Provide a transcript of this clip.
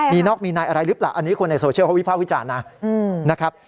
มีนอกมีนายอะไรหรือเปล่าอันนี้ควรในโซเชียลวิภาควิจารณ์นะ